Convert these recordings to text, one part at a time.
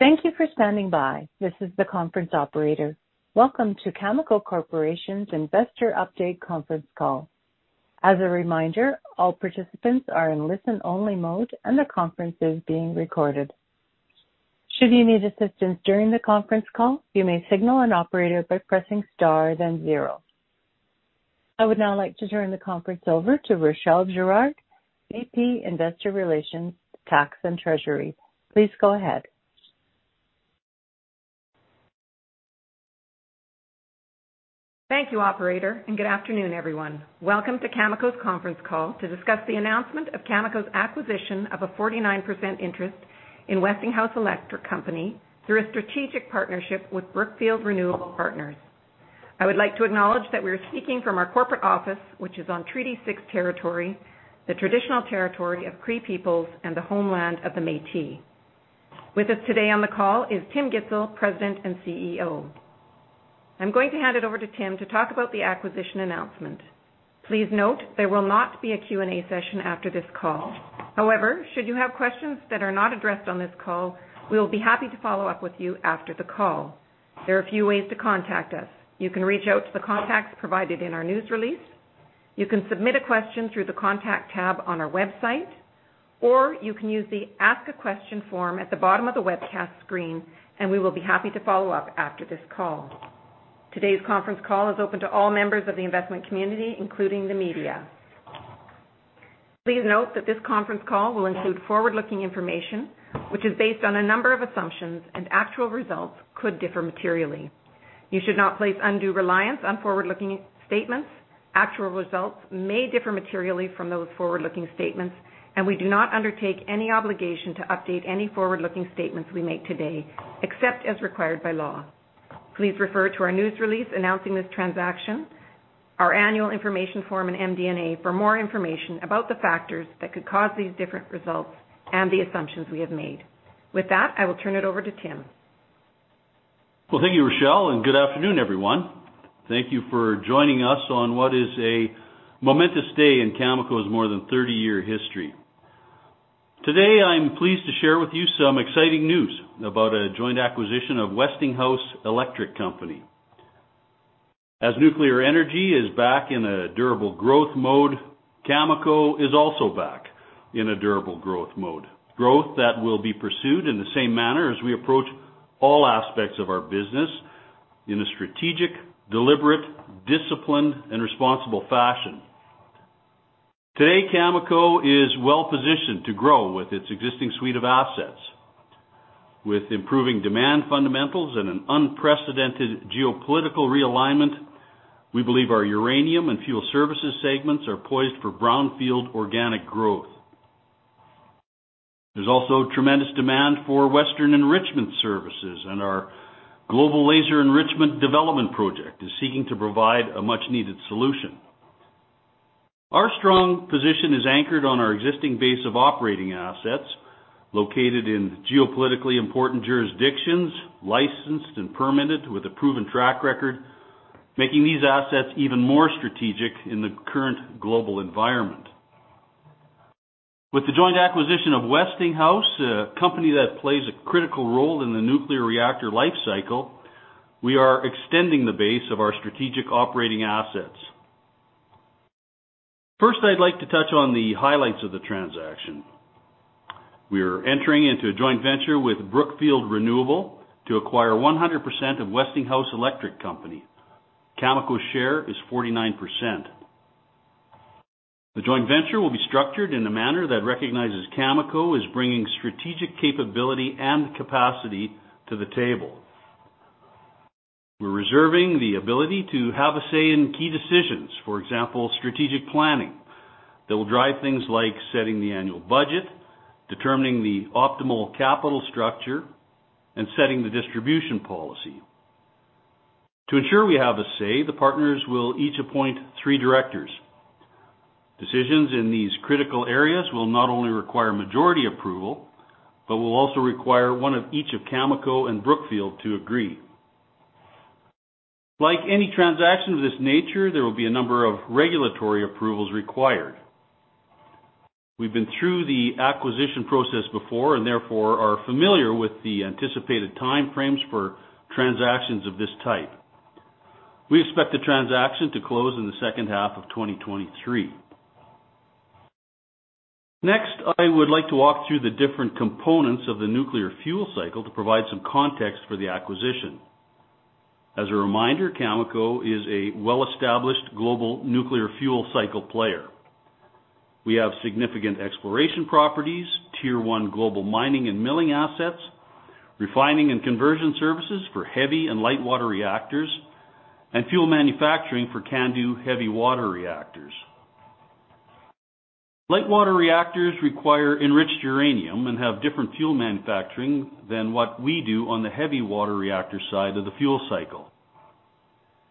Thank you for standing by. This is the conference operator. Welcome to Cameco Corporation's Investor Update conference call. As a reminder, all participants are in listen-only mode, and the conference is being recorded. Should you need assistance during the conference call, you may signal an operator by pressing star then zero. I would now like to turn the conference over to Rachelle Girard, VP, Investor Relations, Tax and Treasury. Please go ahead. Thank you, operator, and good afternoon, everyone. Welcome to Cameco's conference call to discuss the announcement of Cameco's acquisition of a 49% interest in Westinghouse Electric Company through a strategic partnership with Brookfield Renewable Partners. I would like to acknowledge that we are speaking from our corporate office, which is on Treaty 6 territory, the traditional territory of Cree peoples and the homeland of the Métis. With us today on the call is Tim Gitzel, President and CEO. I'm going to hand it over to Tim to talk about the acquisition announcement. Please note there will not be a Q&A session after this call. However, should you have questions that are not addressed on this call, we will be happy to follow up with you after the call. There are a few ways to contact us. You can reach out to the contacts provided in our news release. You can submit a question through the Contact tab on our website, or you can use the Ask a Question form at the bottom of the webcast screen, and we will be happy to follow up after this call. Today's conference call is open to all members of the investment community, including the media. Please note that this conference call will include forward-looking information which is based on a number of assumptions, and actual results could differ materially. You should not place undue reliance on forward-looking statements. Actual results may differ materially from those forward-looking statements, and we do not undertake any obligation to update any forward-looking statements we make today, except as required by law. Please refer to our news release announcing this transaction, our annual information form, and MD&A for more information about the factors that could cause these different results and the assumptions we have made. With that, I will turn it over to Tim. Well, thank you, Rachelle, and good afternoon, everyone. Thank you for joining us on what is a momentous day in Cameco's more than 30-year history. Today, I'm pleased to share with you some exciting news about a joint acquisition of Westinghouse Electric Company. As nuclear energy is back in a durable growth mode, Cameco is also back in a durable growth mode, growth that will be pursued in the same manner as we approach all aspects of our business in a strategic, deliberate, disciplined, and responsible fashion. Today, Cameco is well-positioned to grow with its existing suite of assets. With improving demand fundamentals and an unprecedented geopolitical realignment, we believe our Uranium and Fuel Services segments are poised for brownfield organic growth. There's also tremendous demand for Western Enrichment services, and our Global Laser Enrichment development project is seeking to provide a much-needed solution. Our strong position is anchored on our existing base of operating assets located in geopolitically important jurisdictions, licensed and permitted with a proven track record, making these assets even more strategic in the current global environment. With the joint acquisition of Westinghouse, a company that plays a critical role in the nuclear reactor life cycle, we are extending the base of our strategic operating assets. First, I'd like to touch on the highlights of the transaction. We are entering into a joint venture with Brookfield Renewable to acquire 100% of Westinghouse Electric Company. Cameco's share is 49%. The joint venture will be structured in a manner that recognizes Cameco is bringing strategic capability and capacity to the table. We're reserving the ability to have a say in key decisions, for example, strategic planning that will drive things like setting the annual budget, determining the optimal capital structure, and setting the distribution policy. To ensure we have a say, the partners will each appoint three directors. Decisions in these critical areas will not only require majority approval but will also require one of each of Cameco and Brookfield to agree. Like any transaction of this nature, there will be a number of regulatory approvals required. We've been through the acquisition process before and therefore are familiar with the anticipated time frames for transactions of this type. We expect the transaction to close in the second half of 2023. Next, I would like to walk through the different components of the nuclear fuel cycle to provide some context for the acquisition. As a reminder, Cameco is a well-established global nuclear fuel cycle player. We have significant exploration properties, Tier 1 global mining and milling assets, refining and conversion services for heavy and light water reactors, and fuel manufacturing for CANDU heavy water reactors. Light water reactors require enriched uranium and have different fuel manufacturing than what we do on the heavy water reactor side of the fuel cycle.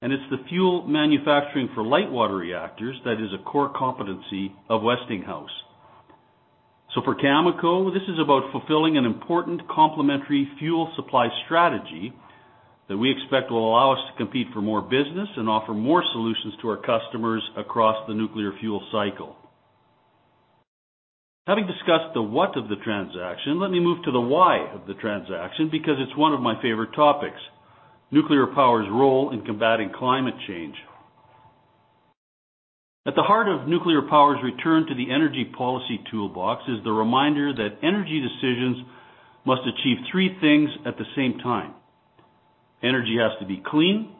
It's the fuel manufacturing for light water reactors that is a core competency of Westinghouse. For Cameco, this is about fulfilling an important complementary fuel supply strategy that we expect will allow us to compete for more business and offer more solutions to our customers across the nuclear fuel cycle. Having discussed the what of the transaction, let me move to the why of the transaction because it's one of my favorite topics, nuclear power's role in combating climate change. At the heart of nuclear power's return to the energy policy toolbox is the reminder that energy decisions must achieve three things at the same time. Energy has to be clean,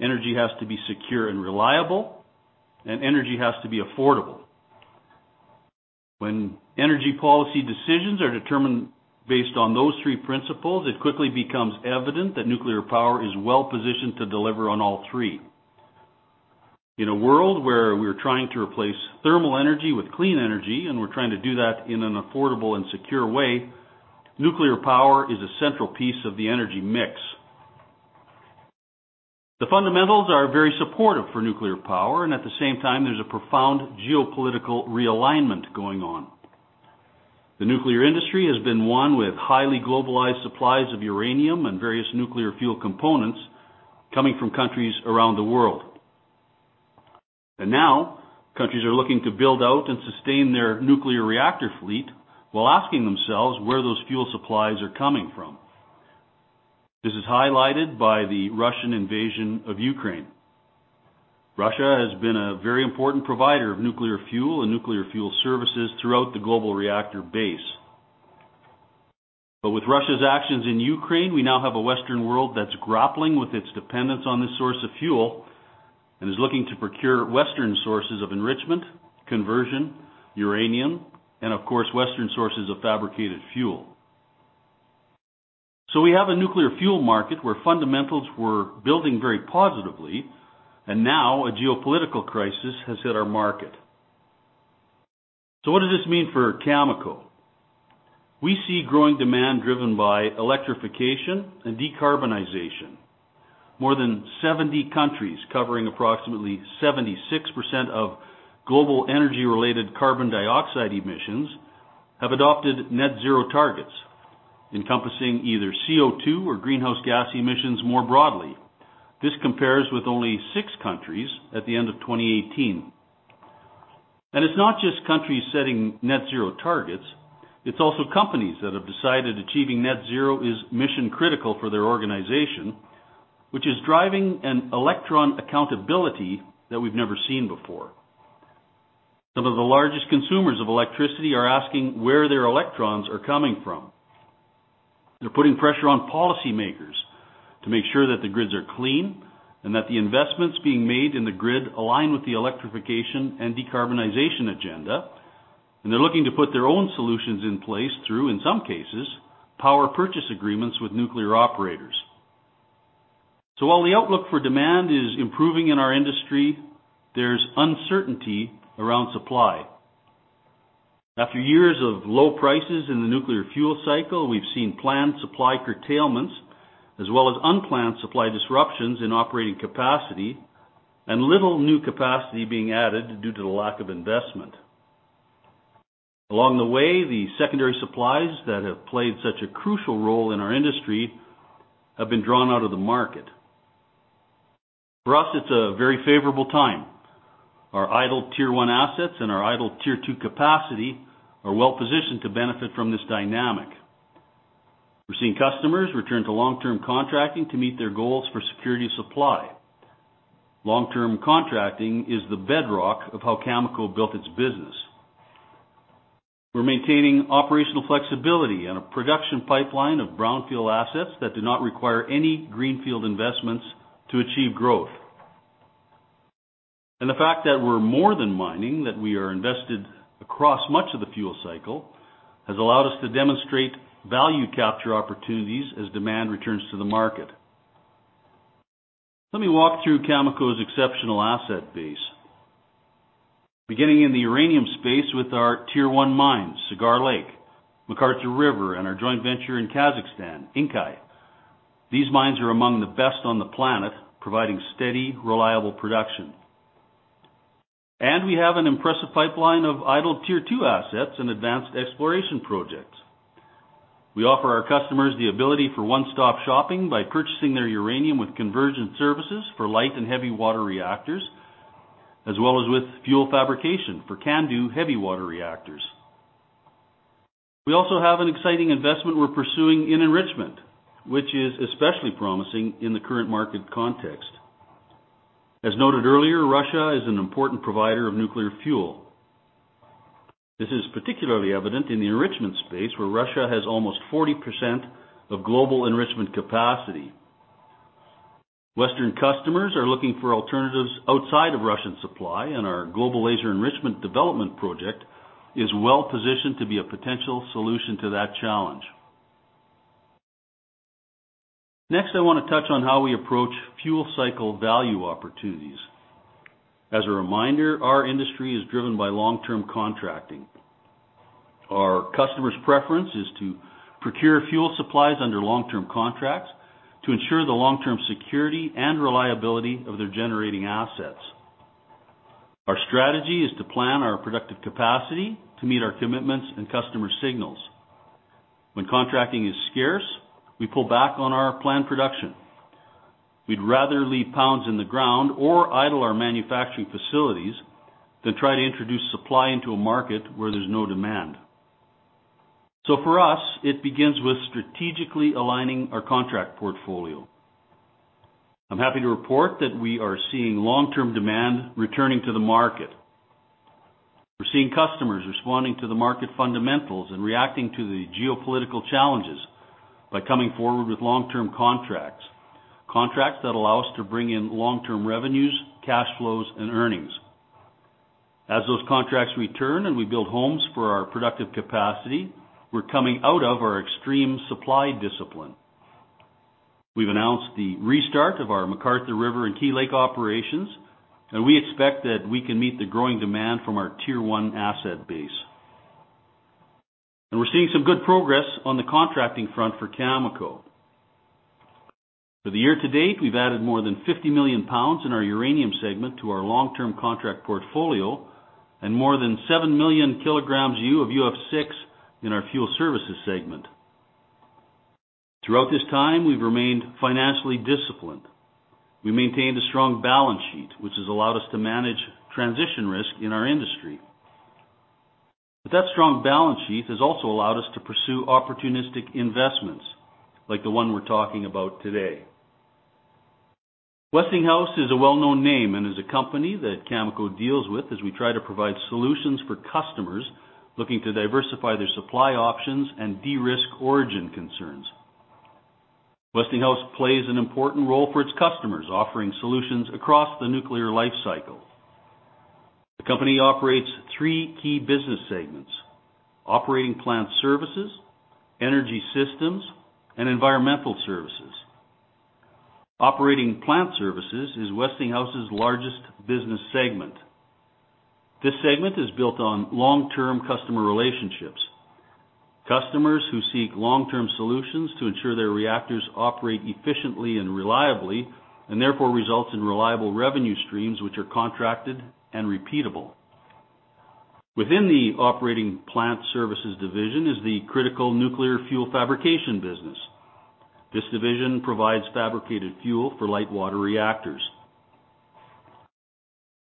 energy has to be secure and reliable, and energy has to be affordable. When energy policy decisions are determined based on those three principles, it quickly becomes evident that nuclear power is well-positioned to deliver on all three. In a world where we're trying to replace thermal energy with clean energy, and we're trying to do that in an affordable and secure way, nuclear power is a central piece of the energy mix. The fundamentals are very supportive for nuclear power, and at the same time, there's a profound geopolitical realignment going on. The nuclear industry has been one with highly globalized supplies of uranium and various nuclear fuel components coming from countries around the world. Now countries are looking to build out and sustain their nuclear reactor fleet while asking themselves where those fuel supplies are coming from. This is highlighted by the Russian invasion of Ukraine. Russia has been a very important provider of nuclear fuel and nuclear fuel services throughout the global reactor base. With Russia's actions in Ukraine, we now have a Western world that's grappling with its dependence on this source of fuel and is looking to procure Western sources of enrichment, conversion, uranium, and of course, Western sources of fabricated fuel. We have a nuclear fuel market where fundamentals were building very positively, and now a geopolitical crisis has hit our market. What does this mean for Cameco? We see growing demand driven by electrification and decarbonization. More than 70 countries, covering approximately 76% of global energy-related carbon dioxide emissions, have adopted net zero targets encompassing either CO2 or greenhouse gas emissions more broadly. This compares with only six countries at the end of 2018. It's not just countries setting net zero targets, it's also companies that have decided achieving net zero is mission-critical for their organization, which is driving an electron accountability that we've never seen before. Some of the largest consumers of electricity are asking where their electrons are coming from. They're putting pressure on policymakers to make sure that the grids are clean and that the investments being made in the grid align with the electrification and decarbonization agenda, and they're looking to put their own solutions in place through, in some cases, power purchase agreements with nuclear operators. While the outlook for demand is improving in our industry, there's uncertainty around supply. After years of low prices in the nuclear fuel cycle, we've seen planned supply curtailments, as well as unplanned supply disruptions in operating capacity and little new capacity being added due to the lack of investment. Along the way, the secondary supplies that have played such a crucial role in our industry have been drawn out of the market. For us, it's a very favorable time. Our idle Tier 1 assets and our idle Tier 2 capacity are well-positioned to benefit from this dynamic. We're seeing customers return to long-term contracting to meet their goals for security of supply. Long-term contracting is the bedrock of how Cameco built its business. We're maintaining operational flexibility and a production pipeline of brownfield assets that do not require any greenfield investments to achieve growth. The fact that we're more than mining, that we are invested across much of the fuel cycle, has allowed us to demonstrate value capture opportunities as demand returns to the market. Let me walk through Cameco's exceptional asset base. Beginning in the uranium space with our Tier 1 mines, Cigar Lake, McArthur River, and our joint venture in Kazakhstan, Inkai. These mines are among the best on the planet, providing steady, reliable production. We have an impressive pipeline of idle Tier 2 assets and advanced exploration projects. We offer our customers the ability for one-stop shopping by purchasing their uranium with conversion services for light and heavy water reactors, as well as with fuel fabrication for CANDU heavy water reactors. We also have an exciting investment we're pursuing in enrichment, which is especially promising in the current market context. As noted earlier, Russia is an important provider of nuclear fuel. This is particularly evident in the enrichment space, where Russia has almost 40% of global enrichment capacity. Western customers are looking for alternatives outside of Russian supply, and our Global Laser Enrichment development project is well-positioned to be a potential solution to that challenge. Next, I want to touch on how we approach fuel cycle value opportunities. As a reminder, our industry is driven by long-term contracting. Our customers' preference is to procure fuel supplies under long-term contracts to ensure the long-term security and reliability of their generating assets. Our strategy is to plan our productive capacity to meet our commitments and customer signals. When contracting is scarce, we pull back on our planned production. We'd rather leave pounds in the ground or idle our manufacturing facilities than try to introduce supply into a market where there's no demand. For us, it begins with strategically aligning our contract portfolio. I'm happy to report that we are seeing long-term demand returning to the market. We're seeing customers responding to the market fundamentals and reacting to the geopolitical challenges by coming forward with long-term contracts that allow us to bring in long-term revenues, cash flows, and earnings. As those contracts return and we build homes for our productive capacity, we're coming out of our extreme supply discipline. We've announced the restart of our McArthur River and Key Lake operations, and we expect that we can meet the growing demand from our Tier 1 asset base. We're seeing some good progress on the contracting front for Cameco. For the year to date, we've added more than 50 million pounds in our Uranium segment to our long-term contract portfolio and more than 7 million kgU of UF6 in our Fuel Services segment. Throughout this time, we've remained financially disciplined. We maintained a strong balance sheet, which has allowed us to manage transition risk in our industry. That strong balance sheet has also allowed us to pursue opportunistic investments like the one we're talking about today. Westinghouse is a well-known name and is a company that Cameco deals with as we try to provide solutions for customers looking to diversify their supply options and de-risk origin concerns. Westinghouse plays an important role for its customers, offering solutions across the nuclear life cycle. The company operates three key business segments, Operating Plant Services, Energy Systems, and Environmental Services. Operating Plant Services is Westinghouse's largest business segment. This segment is built on long-term customer relationships, customers who seek long-term solutions to ensure their reactors operate efficiently and reliably, and therefore results in reliable revenue streams which are contracted and repeatable. Within the Operating Plant Services division is the critical nuclear fuel fabrication business. This division provides fabricated fuel for light water reactors.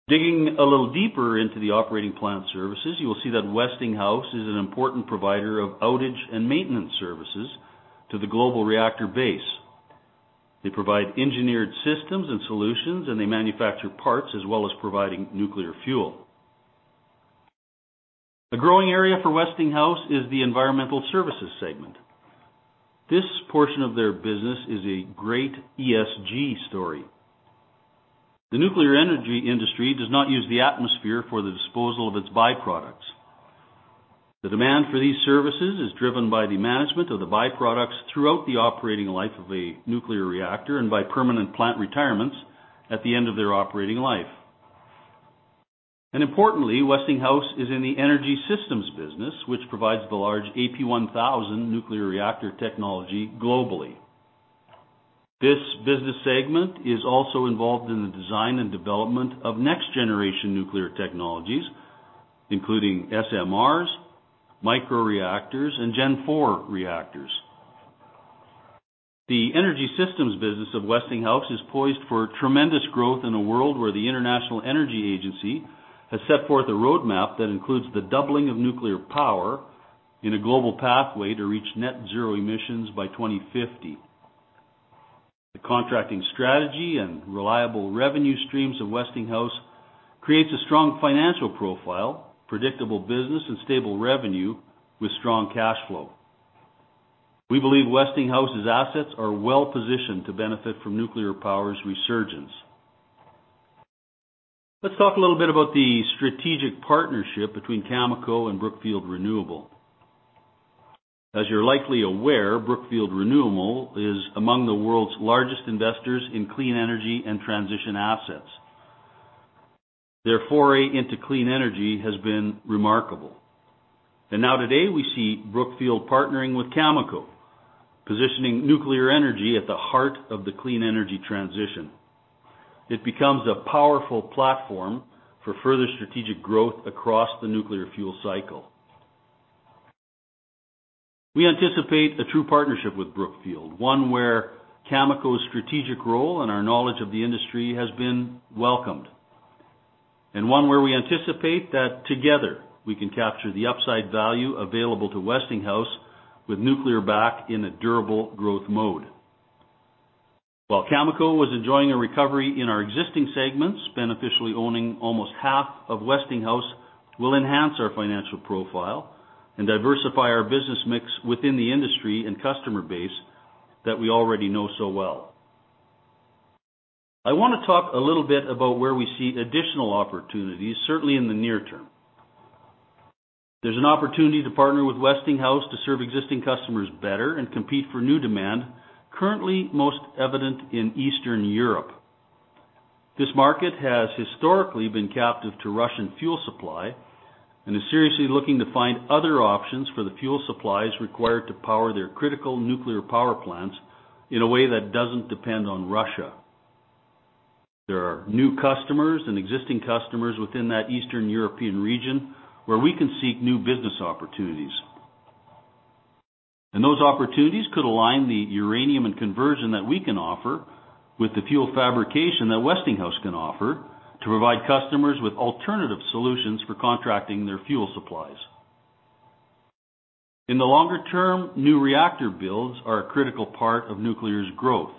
Digging a little deeper into the Operating Plant Services, you will see that Westinghouse is an important provider of outage and maintenance services to the global reactor base. They provide engineered systems and solutions, and they manufacture parts as well as providing nuclear fuel. A growing area for Westinghouse is the Environmental Services segment. This portion of their business is a great ESG story. The nuclear energy industry does not use the atmosphere for the disposal of its byproducts. The demand for these services is driven by the management of the byproducts throughout the operating life of a nuclear reactor and by permanent plant retirements at the end of their operating life. Importantly, Westinghouse is in the energy systems business, which provides the large AP1000 nuclear reactor technology globally. This business segment is also involved in the design and development of next-generation nuclear technologies, including SMRs, microreactors, and Gen IV reactors. The energy systems business of Westinghouse is poised for tremendous growth in a world where the International Energy Agency has set forth a roadmap that includes the doubling of nuclear power in a global pathway to reach net zero emissions by 2050. The contracting strategy and reliable revenue streams of Westinghouse creates a strong financial profile, predictable business, and stable revenue with strong cash flow. We believe Westinghouse's assets are well-positioned to benefit from nuclear power's resurgence. Let's talk a little bit about the strategic partnership between Cameco and Brookfield Renewable. As you're likely aware, Brookfield Renewable is among the world's largest investors in clean energy and transition assets. Their foray into clean energy has been remarkable. Now today, we see Brookfield partnering with Cameco, positioning nuclear energy at the heart of the clean energy transition. It becomes a powerful platform for further strategic growth across the nuclear fuel cycle. We anticipate a true partnership with Brookfield, one where Cameco's strategic role and our knowledge of the industry has been welcomed, and one where we anticipate that together we can capture the upside value available to Westinghouse with nuclear back in a durable growth mode. While Cameco was enjoying a recovery in our existing segments, beneficially owning almost half of Westinghouse will enhance our financial profile and diversify our business mix within the industry and customer base that we already know so well. I wanna talk a little bit about where we see additional opportunities, certainly in the near term. There's an opportunity to partner with Westinghouse to serve existing customers better and compete for new demand, currently most evident in Eastern Europe. This market has historically been captive to Russian fuel supply, and is seriously looking to find other options for the fuel supplies required to power their critical nuclear power plants in a way that doesn't depend on Russia. There are new customers and existing customers within that Eastern European region where we can seek new business opportunities. Those opportunities could align the uranium and conversion that we can offer with the fuel fabrication that Westinghouse can offer to provide customers with alternative solutions for contracting their fuel supplies. In the longer term, new reactor builds are a critical part of nuclear's growth.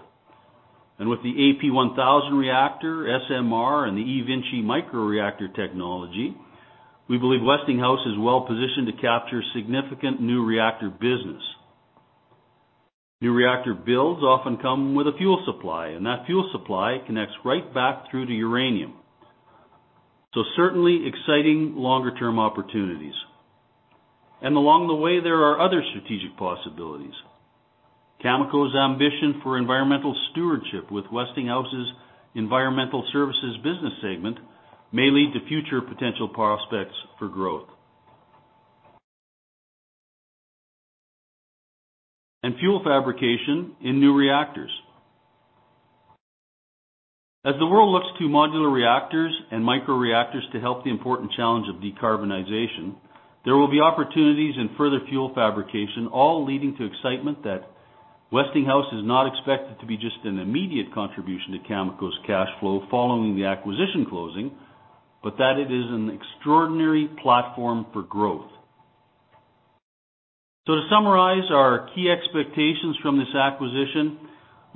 With the AP1000 reactor, SMR, and the eVinci microreactor technology, we believe Westinghouse is well-positioned to capture significant new reactor business. New reactor builds often come with a fuel supply, and that fuel supply connects right back through to uranium. Certainly exciting longer-term opportunities. Along the way, there are other strategic possibilities. Cameco's ambition for environmental stewardship with Westinghouse's Environmental Services business segment may lead to future potential prospects for growth. Fuel fabrication in new reactors. As the world looks to modular reactors and microreactors to help the important challenge of decarbonization, there will be opportunities in further fuel fabrication, all leading to excitement that Westinghouse is not expected to be just an immediate contribution to Cameco's cash flow following the acquisition closing, but that it is an extraordinary platform for growth. To summarize our key expectations from this acquisition,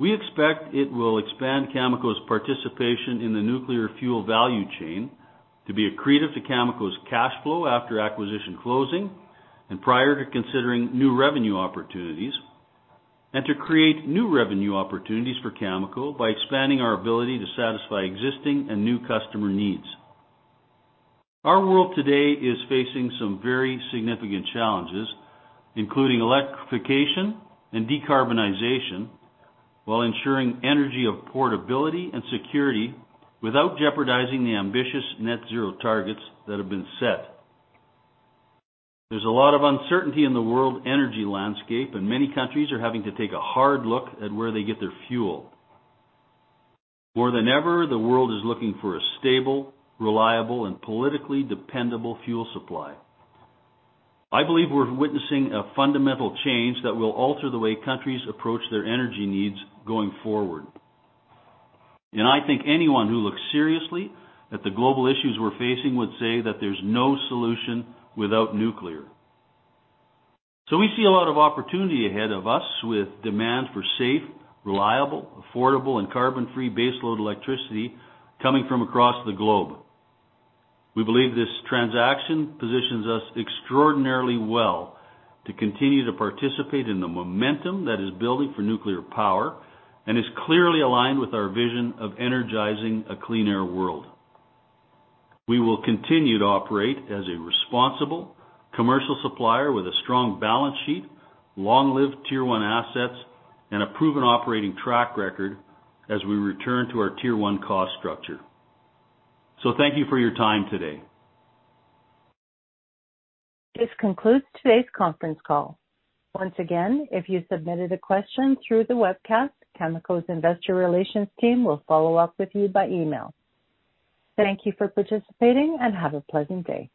we expect it will expand Cameco's participation in the nuclear fuel value chain to be accretive to Cameco's cash flow after acquisition closing and prior to considering new revenue opportunities, and to create new revenue opportunities for Cameco by expanding our ability to satisfy existing and new customer needs. Our world today is facing some very significant challenges, including electrification and decarbonization, while ensuring energy affordability and security without jeopardizing the ambitious net zero targets that have been set. There's a lot of uncertainty in the world energy landscape, and many countries are having to take a hard look at where they get their fuel. More than ever, the world is looking for a stable, reliable, and politically dependable fuel supply. I believe we're witnessing a fundamental change that will alter the way countries approach their energy needs going forward. I think anyone who looks seriously at the global issues we're facing would say that there's no solution without nuclear. We see a lot of opportunity ahead of us with demand for safe, reliable, affordable, and carbon-free baseload electricity coming from across the globe. We believe this transaction positions us extraordinarily well to continue to participate in the momentum that is building for nuclear power and is clearly aligned with our vision of energizing a clean air world. We will continue to operate as a responsible commercial supplier with a strong balance sheet, long-lived Tier 1 assets, and a proven operating track record as we return to our Tier 1 cost structure. Thank you for your time today. This concludes today's conference call. Once again, if you submitted a question through the webcast, Cameco's Investor Relations team will follow up with you by email. Thank you for participating and have a pleasant day.